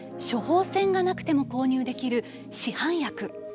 処方箋がなくても購入できる市販薬。